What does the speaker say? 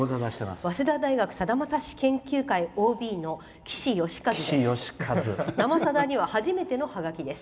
早稲田大学さだまさし研究会ＯＢきしよしかずです。